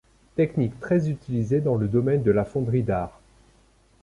Technique très utilisée dans le domaine de la fonderie d'art.